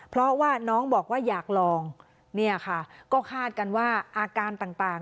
เพราะว่าน้องบอกว่าอยากลองเนี่ยค่ะก็คาดกันว่าอาการต่าง